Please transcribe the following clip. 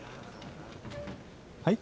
はい？